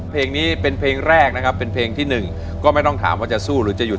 เพลงนี้เป็นเพลงแรกนะครับเป็นเพลงที่หนึ่งก็ไม่ต้องถามว่าจะสู้หรือจะหยุ